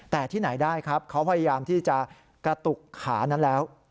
แต่ที่ไหนได้ครับเขาพยายามที่จะกระตุกขานั้นแล้ว